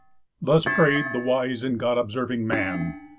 Thus pray'd the wise and God observing man.